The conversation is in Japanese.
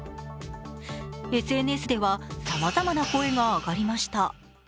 ＳＮＳではさまざまな声が上がりました。